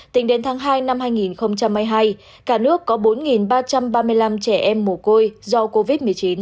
tính đến tháng hai năm hai nghìn hai mươi hai cả nước có bốn ba trăm ba mươi năm trẻ em mồ côi do covid một mươi chín